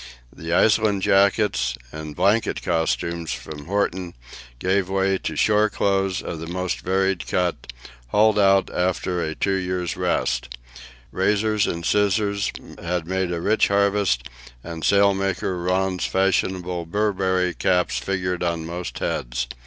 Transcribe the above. The Iceland jackets and "blanket costumes" from Horten gave way to "shore clothes" of the most varied cut, hauled out after a two years' rest; razors and scissors had made a rich harvest, and sailmaker Rönne's fashionable Burberry caps figured on most heads.